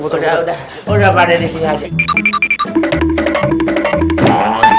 udah pakde disini aja